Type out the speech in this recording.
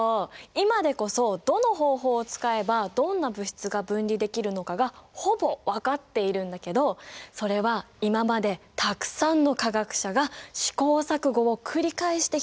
今でこそどの方法を使えばどんな物質が分離できるのかがほぼ分かっているんだけどそれは今までたくさんの化学者が試行錯誤を繰り返してきたからなんだよ。